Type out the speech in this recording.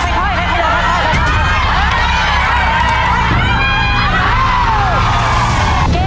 ค่อยค่อยค่อยค่อยค่อยค่อย